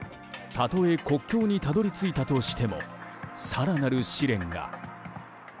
たとえ、国境にたどり着いたとしても更なる試練が。